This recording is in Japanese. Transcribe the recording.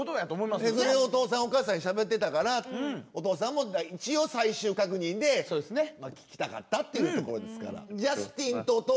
それをお父さんお母さんにしゃべってたからお父さんも一応最終確認で聞きたかったっていうところですから。